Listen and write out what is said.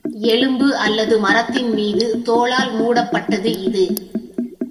எலும்பு அல்லது மரத்தின் மீது தோலால் மூடப் பட்டது இது.